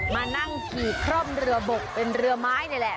มานั่งขี่คร่อมเรือบกเป็นเรือไม้นี่แหละ